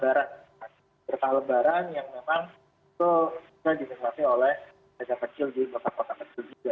berkah lebaran yang memang itu sudah dinikmati oleh pedagang kecil di luar negara